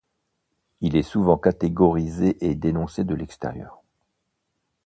Il est souvent catégorisé et dénoncé de l’extérieur.